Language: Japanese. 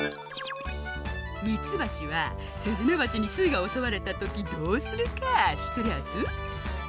ミツバチはスズメバチにすがおそわれたときどうするかしっとりゃあす？